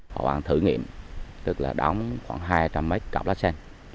họ ăn thử nghiệm tức là đóng khoảng hai trăm linh mét cặp lát sen